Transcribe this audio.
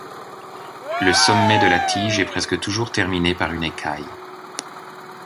Le sommet de la tige est presque toujours terminé par une écaille.